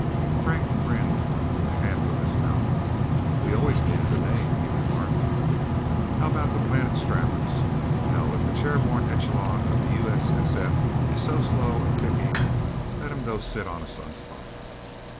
Frank grinned with half of his mouth. "We always needed a name," he remarked. "How about The Planet Strappers? Hell if the chairborne echelon of the U.S.S.F. is so slow and picky, let 'em go sit on a sunspot."